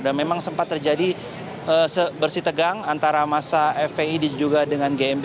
dan memang sempat terjadi bersih tegang antara masa fpi dan juga dengan gmbi